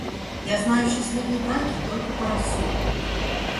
Я знаю счастливые браки только по рассудку.